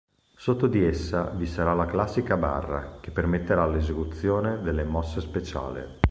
Sotto di essa vi sarà la classica barra che permetterà l'esecuzione delle mosse speciali.